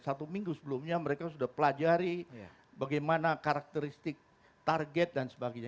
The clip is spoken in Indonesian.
satu minggu sebelumnya mereka sudah pelajari bagaimana karakteristik target dan sebagainya